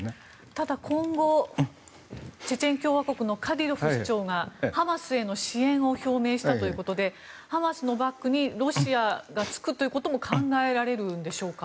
ただ今後チェチェン共和国のカディロフ首長がハマスへの支援を表明したということでハマスのバックにロシアがつくということも考えられるんでしょうか。